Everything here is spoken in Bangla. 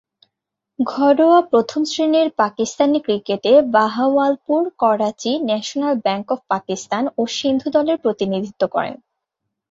ঘরোয়া প্রথম-শ্রেণীর পাকিস্তানি ক্রিকেটে Bahawalpur, Karachi, national bank of Pakistan ও সিন্ধু দলের প্রতিনিধিত্ব করেন।